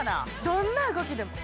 どんな動きでも。